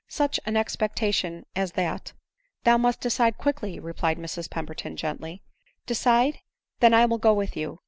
43uch an expectation as that !—"" Thou must decide quickly," replied Mrs Pemberton gently. " Decide ! Then I will go with you.